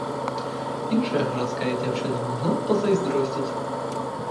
Іншая гарадская дзяўчына магла б пазайздросціць.